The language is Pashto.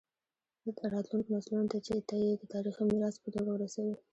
راتلونکو نسلونو ته یې د تاریخي میراث په توګه ورسوي.